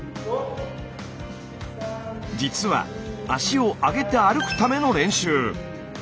実は脚を上げて歩くための練習。